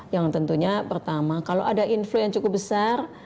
yang tentunya pertama kalau ada influen yang cukup besar